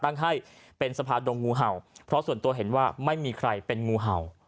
ตั้งให้เป็นสะพานดงงูเห่าเพราะส่วนตัวเห็นว่าไม่มีใครเป็นงูเห่า